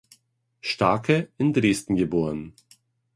Starke in Dresden geboren.